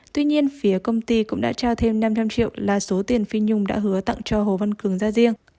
tuy nhiên phía công ty cũng đã trao thêm năm trăm linh triệu là số tiền phi nhung đã hứa tặng cho hồ văn cường ra riêng